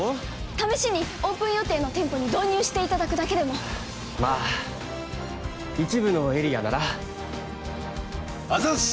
試しにオープン予定の店舗に導入していただくだけでもまあ一部のエリアならあざっす！